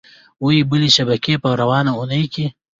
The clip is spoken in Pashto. وې بلې شبکې په روانه اونۍ کې